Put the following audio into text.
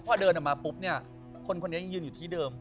พอเดินออกมาปุ๊บเนี่ยคนคนนี้ยังยืนอยู่ที่เดิม